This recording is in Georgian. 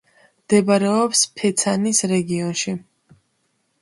მდებარეობს ფეცანის რეგიონში.